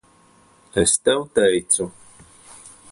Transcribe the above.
Es tev teicu.